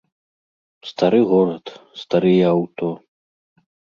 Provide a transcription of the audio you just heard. Стары горад, старыя аўто.